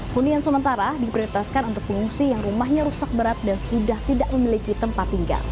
hunian sementara diprioritaskan untuk pengungsi yang rumahnya rusak berat dan sudah tidak memiliki tempat tinggal